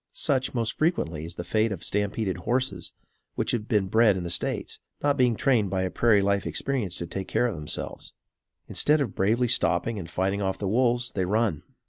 Such, most frequently, is the fate of stampeded horses which have been bred in the States, not being trained by a prairie life experience to take care of themselves. Instead of bravely stopping and fighting off the wolves, they run.